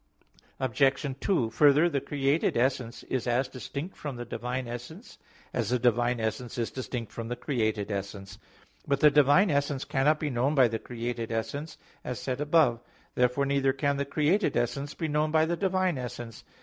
Obj. 2: Further, the created essence is as distant from the divine essence, as the divine essence is distant from the created essence. But the divine essence cannot be known by the created essence, as said above (Q. 12, A. 2). Therefore neither can the created essence be known by the divine essence.